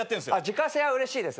自家製はうれしいですね。